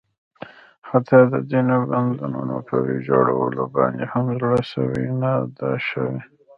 حتٰی د ځینو بندونو په ویجاړولو باندې هم زړه سوی نه ده شوی.